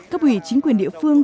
các ủy chính quyền địa phương